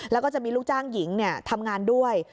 แล้วก็จะมีลูกจ้างหญิงทำงานด้วย